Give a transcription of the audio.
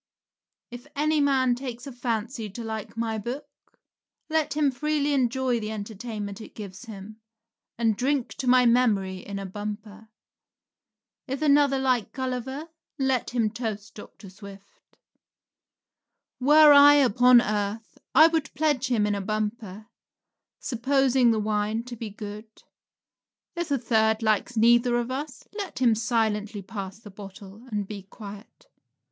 If any man takes a fancy to like my book, let him freely enjoy the entertainment it gives him, and drink to my memory in a bumper. If another likes Gulliver, let him toast Dr. Swift. Were I upon earth I would pledge him in a bumper, supposing the wine to be good. If a third likes neither of us, let him silently pass the bottle and be quiet.